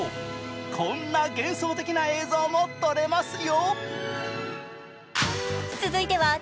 こんな幻想的な映像も撮れますよ。